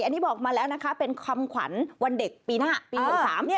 อันนี้บอกมาแล้วนะคะเป็นคำขวัญวันเด็กปีหน้าปี๖๓เนี่ย